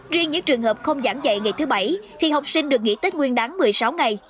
riêng những trường hợp không giảng dạy ngày thứ bảy thì học sinh được nghỉ tết nguyên đáng một mươi sáu ngày